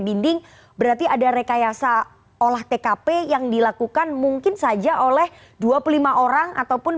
dinding berarti ada rekayasa olah tkp yang dilakukan mungkin saja oleh dua puluh lima orang ataupun